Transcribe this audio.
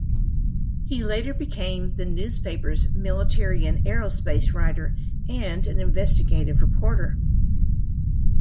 He later became the newspaper's military and aerospace writer and an investigative reporter.